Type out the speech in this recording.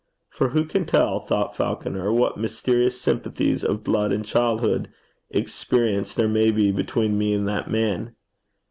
'For who can tell,' thought Falconer, 'what mysterious sympathies of blood and childhood's experience there may be between me and that man?